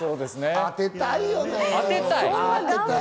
当てたいよ。